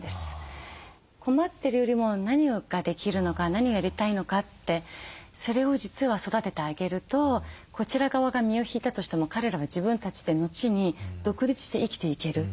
困ってるよりも何ができるのか何やりたいのかってそれを実は育ててあげるとこちら側が身を引いたとしても彼らは自分たちで後に独立して生きていける。